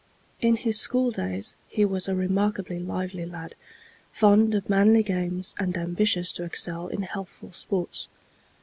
In his school days he was a remarkably lively lad, fond of manly games and ambitious to excel in healthful sports.